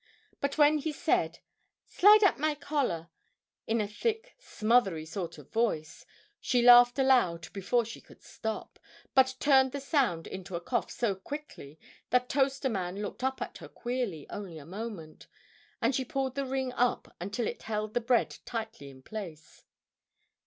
But when he said, "Slide up my collar," in a thick, smothery sort of voice, she laughed aloud before she could stop, but turned the sound into a cough so quickly that Toaster Man looked up at her queerly only a moment; and she pulled the ring up until it held the bread tightly in place.